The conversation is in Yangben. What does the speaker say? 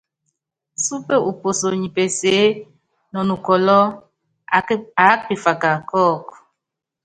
Súpe upuso nyi peseé nɔ nukɔlɔ́, aáka pifaka kɔ́ɔku.